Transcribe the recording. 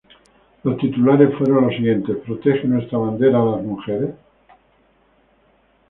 Los titulares fueron los siguientes: "¿Protege nuestra bandera a las mujeres?